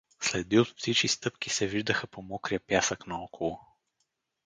Следи от птичи стъпки се виждаха по мокрия пясък наоколо.